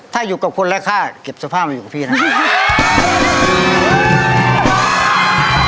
ถ้าอยู่กับคนไร้ค่าเก็บสภาพมาอยู่กับพี่ทันที